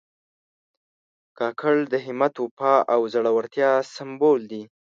کاکړ د همت، وفا او زړورتیا سمبول دي.